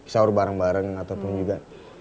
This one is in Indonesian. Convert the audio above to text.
sahur bareng bareng ataupun juga